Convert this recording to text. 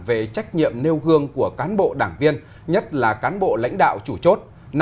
về trách nhiệm nêu gương của cán bộ đảng viên nhất là cán bộ lãnh đạo chủ chốt